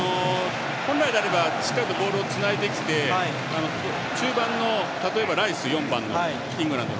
本来であればしっかりとボールをつないできて中盤の例えば、ライス、４番のイングランドの。